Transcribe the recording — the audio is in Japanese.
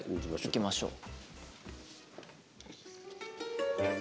いきましょう。